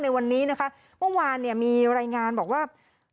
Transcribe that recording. ในวันนี้นะคะในวันวานมีรายงานบอกว่ากัน